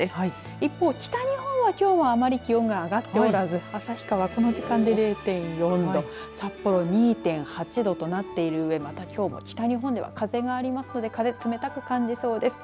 一方、北日本はきょうはあまり気温が上がっておらず旭川、この時間で０．４度札幌２．８度となっているうえまたきょうも北日本では風がありますので風が冷たく感じそうです。